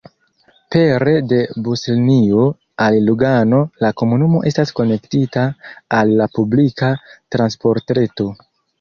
Pere de buslinio al Lugano la komunumo estas konektita al la publika transportreto.